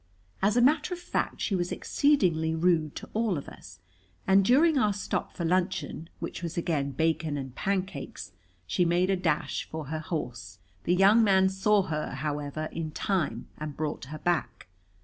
As a matter of fact she was exceedingly rude to all of us, and during our stop for luncheon, which was again bacon and pancakes, she made a dash for her horse. The young man saw her, however, in time, and brought her back.